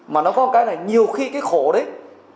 mà nó có cái này nhiều khi cái khổ đấy